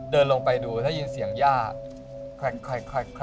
เดินลงไปดูได้ยินเสียงย่า